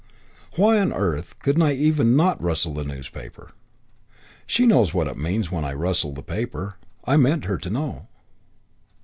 Why on earth couldn't I even not rustle the newspaper? She knows what it means when I rustle the paper. I meant her to know.